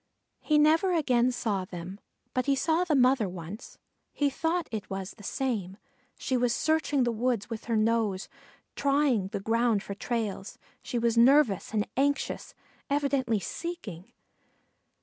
He never again saw them; but he saw the mother once he thought it was the same she was searching the woods with her nose, trying the ground for trails; she was nervous and anxious, evidently seeking.